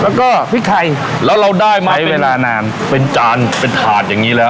แล้วก็พริกไทยแล้วเราได้ไหมใช้เวลานานเป็นจานเป็นถาดอย่างนี้แล้ว